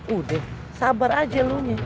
udah sabar aja lu